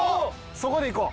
そこでいこう。